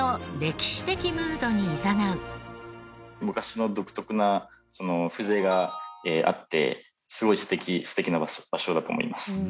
昔の独特な風情があってすごい素敵な場所だと思います。